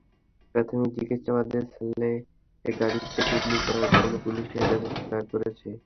প্রাথমিক জিজ্ঞাসাবাদে সালেক গাড়িতে গুলি করার কথা পুলিশের কাছে স্বীকার করেছে।